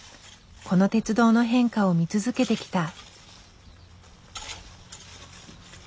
この鉄道の変化を見続けてきた。